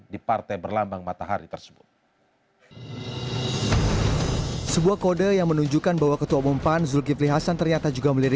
di panggilan pemilu